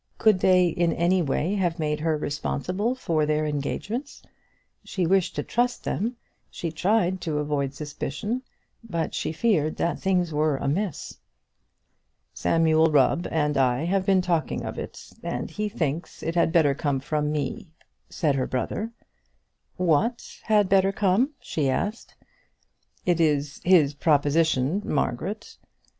Could they in any way have made her responsible for their engagements? She wished to trust them; she tried to avoid suspicion; but she feared that things were amiss. "Samuel Rubb and I have been talking of it, and he thinks it had better come from me," said her brother. "What had better come?" she asked. "It is his proposition, Margaret."